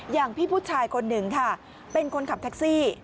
อย่างพี่ผู้ชายคนหนึ่งค่ะเป็นคนขับแท็กซี่